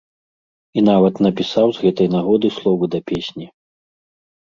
І нават напісаў з гэтай нагоды словы да песні.